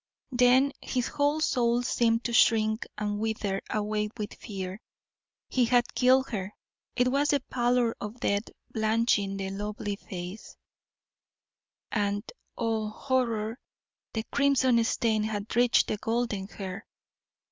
Then his whole soul seemed to shrink and wither away with fear. He had killed her; it was the pallor of death blanching the lovely face; and oh, horror! the crimson stain had reached the golden hair.